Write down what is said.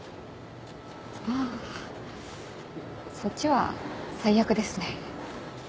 ああそっちは最悪ですね。